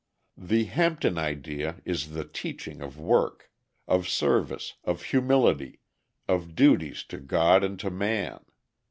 The "Hampton idea" is the teaching of work of service, of humility, of duties to God and to man.